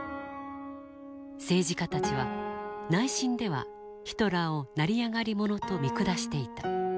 政治家たちは内心ではヒトラーを成り上がり者と見下していた。